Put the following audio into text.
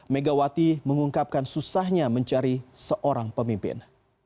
megawati mengungkapkan susahnya mencari seorang pemimpin